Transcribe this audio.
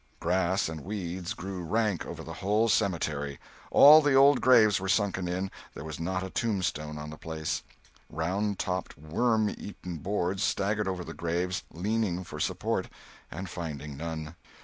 Grass and weeds grew rank over the whole cemetery. All the old graves were sunken in, there was not a tombstone on the place; round topped, worm eaten boards staggered over the graves, leaning for support and finding none.